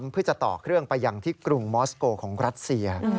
เพื่อจะต่อเครื่องไปยังที่กรุงมอสโกของรัสเซีย